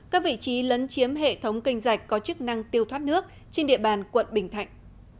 các vị trí lấn chiếm hệ thống kênh dạch có chức năng tiêu thoát nước trên địa bàn quận bình thạnh